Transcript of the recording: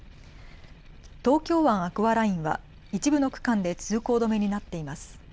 東京湾アクアラインは一部の区間で通行止めになっています。